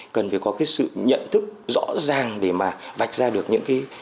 cần phải có sự nhận thức rõ ràng để vạch ra được những